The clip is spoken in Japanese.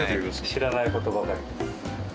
知らない事ばかりです。